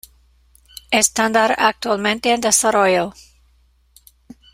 Estándar actualmente en desarrollo.